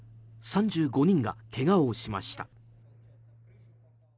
３５人がけがをしました。